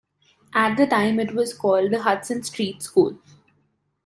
At the time it was called the Hudson Street School.